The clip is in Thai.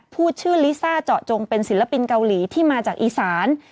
พูดชื่อลิซ่าเจาะจงเป็นศิลปินเกาหลีที่มาจากอีสาน